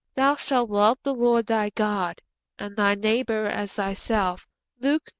'Thou shalt love the Lord thy God ... and thy neighbour as thyself.' (Luke x.